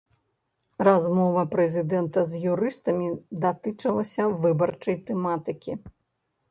Размова прэзідэнта з юрыстамі датычылася выбарчай тэматыкі.